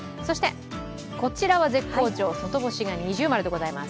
こちらは絶好調、外干しが◎でございます。